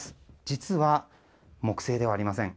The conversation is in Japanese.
実は木製ではありません。